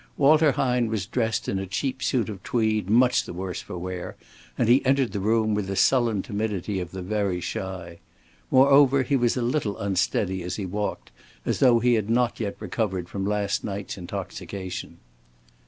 Walter Hine was dressed in a cheap suit of tweed much the worse for wear, and he entered the room with the sullen timidity of the very shy. Moreover, he was a little unsteady as he walked, as though he had not yet recovered from last night's intoxication.